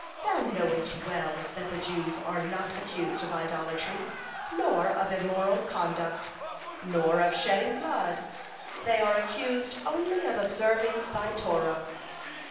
Thou knowest well that the Jews are not accused of idolatry, nor of immoral conduct, nor of shedding blood; they are accused only of observing Thy Torah."